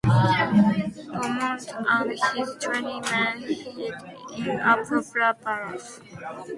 Dumont and his twenty men hid in a poplar bluff.